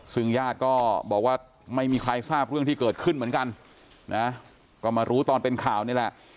ซึ่งญาติก็บอกว่าไม่มีใครทราบเรื่องที่เกิดขึ้นเหมือนกันนะก็มารู้ตอนเป็นข่าวนี่แหละ